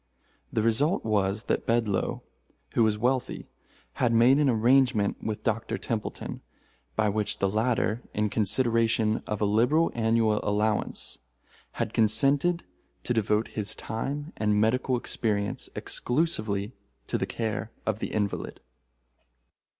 The result was that Bedloe, who was wealthy, had made an arrangement with Dr. Templeton, by which the latter, in consideration of a liberal annual allowance, had consented to devote his time and medical experience exclusively to the care of the invalid.